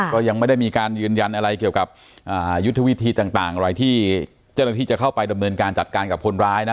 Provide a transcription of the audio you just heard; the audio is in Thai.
ก็ยังไม่ได้มีการยืนยันอะไรเกี่ยวกับยุทธวิธีต่างอะไรที่เจ้าหน้าที่จะเข้าไปดำเนินการจัดการกับคนร้ายนะ